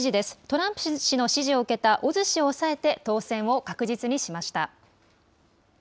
トランプ氏の支持を受けたオズ氏を抑えて当選を確実にしました。